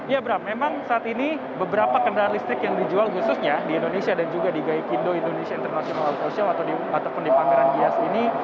ya bram memang saat ini beberapa kendaraan listrik yang dijual khususnya di indonesia dan juga di gaikindo indonesia international auto show ataupun di pameran gias ini